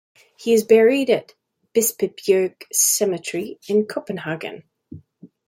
He is buried in Bispebjerg Cemetery in Copenhagen.